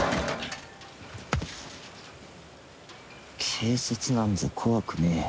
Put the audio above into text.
警察なんざ怖くねえ。